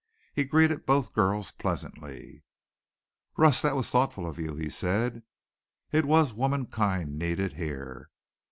He greeted both girls pleasantly. "Russ, that was thoughtful of you," he said. "It was womankind needed here.